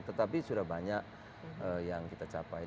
tetapi sudah banyak yang kita capai